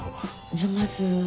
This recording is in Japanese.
じゃまず。